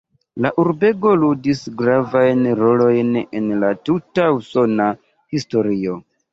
La urbego ludis gravajn rolojn en la tuta usona historio.